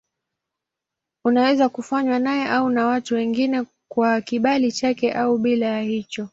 Unaweza kufanywa naye au na watu wengine kwa kibali chake au bila ya hicho.